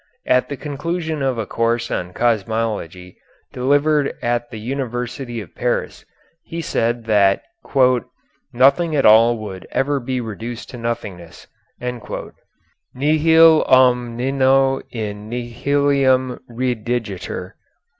At the conclusion of a course on cosmology delivered at the University of Paris he said that "nothing at all would ever be reduced to nothingness" (nihil omnino in nihilum redigetur).